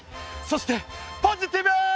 そしてポジティブ！